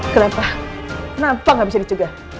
kenapa kenapa gak bisa dicegah